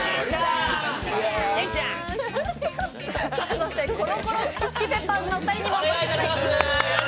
そして、コロコロチキチキペッパーズのお二人にもお越しいただきました。